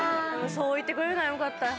そう言ってくれるならよかった。